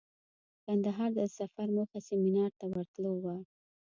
کندهار ته د سفر موخه سمینار ته ورتلو وه.